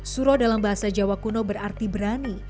suro dalam bahasa jawa kuno berarti berani